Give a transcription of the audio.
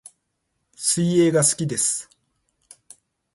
水泳が好きです